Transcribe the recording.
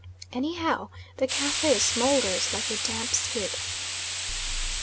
Anyhow, the cafe smoulders like a damp squib.